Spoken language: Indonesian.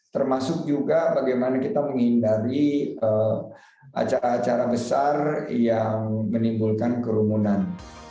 termasuk juga bagaimana kita menghindari acara acara besar yang menimbulkan kerumunan